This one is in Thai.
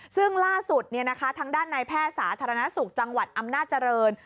ซึ่งล่าสุดทางด้านนายแพทย์สาธารณสุขจังหวัดอำนาจริง